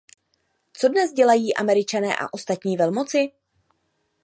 Co dnes dělají Američané a ostatní velmoci?